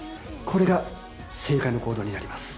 これが正解の行動になります。